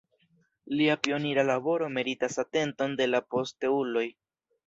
Lia pionira laboro meritas atenton de la posteuloj.